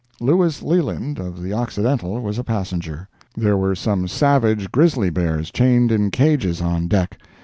Lewis Leland, of the Occidental, was a passenger. There were some savage grizzly bears chained in cages on deck.